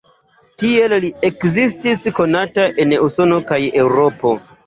Tiel li ekestis konata en Usono kaj Eŭropo.